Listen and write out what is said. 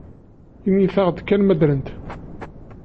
Init-aɣ-d kan ma ddren?